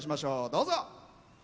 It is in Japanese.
どうぞ。